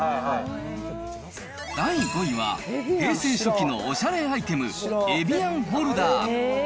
第５位は、平成初期のおしゃれアイテム、エビアンホルダー。